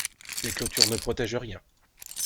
Les clôtures ne protègent rien.